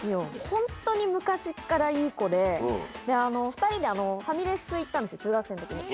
ほんとに昔っからいい子で、２人でファミレス行ったんですよ、中学生のときに。